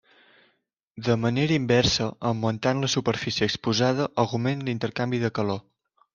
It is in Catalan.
De manera inversa augmentant la superfície exposada augment l'intercanvi de calor.